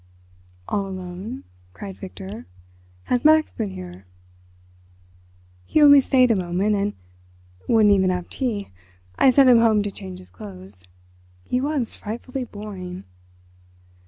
"All alone?" cried Victor. "Has Max been here?" "He only stayed a moment, and wouldn't even have tea. I sent him home to change his clothes.... He was frightfully boring."